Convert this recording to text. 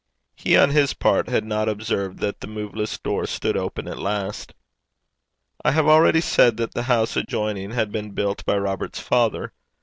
He, on his part, had not observed that the moveless door stood open at last. I have already said that the house adjoining had been built by Robert's father.